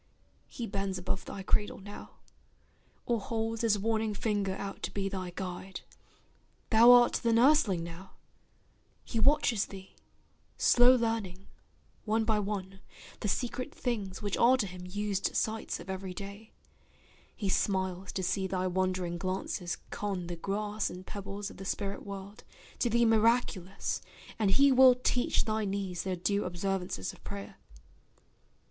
He bends above thy cradle now, or holds His warning finger out to be thy guide; Thou art the nurseling now; he watches thee Slow learning, one by one, the secret things Which are to him used sights of every day; He smiles to see thy wondering glances con The grass and pebbles of the spirit world, To thee miraculous; and he will teach Thy knees their due observances of prayer.